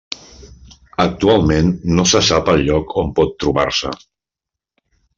Actualment no se sap el lloc on pot trobar-se.